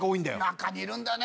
中にいるんだよね